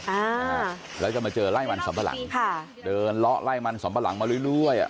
อ่าแล้วจะมาเจอไล่มันสำปะหลังค่ะเดินเลาะไล่มันสำปะหลังมาเรื่อยเรื่อยอ่ะ